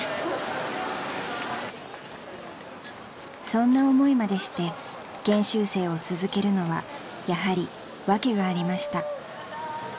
［そんな思いまでして研修生を続けるのはやはり訳がありました］